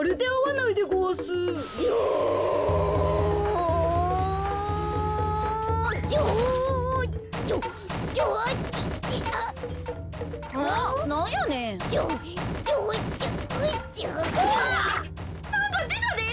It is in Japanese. なんかでたで！